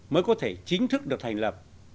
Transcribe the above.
mới có thể chính thức được thành lập